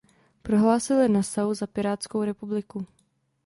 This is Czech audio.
Prohlásili Nassau za pirátskou republiku.